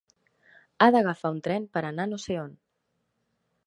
Ha d'agafar un tren per anar no sé on.